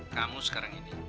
kamu sekarang ini